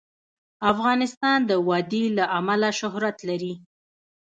افغانستان د وادي له امله شهرت لري.